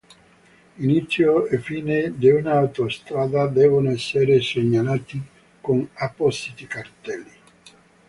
Inizio e fine di un'autostrada devono essere segnalati con appositi cartelli.